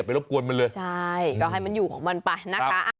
เป็นไปได้อย่าไปรบกวนมันเลย